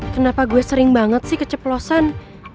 kenapa gue sering banget sih keceplosan